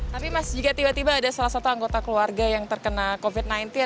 tapi mas jika tiba tiba ada salah satu anggota keluarga yang terkena covid sembilan belas